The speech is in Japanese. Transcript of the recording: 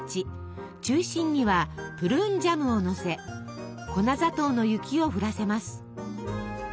中心にはプルーンジャムをのせ粉砂糖の雪を降らせます。